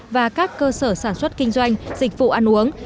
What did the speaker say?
và các cơ sở sản xuất kinh doanh dịch vụ ăn uống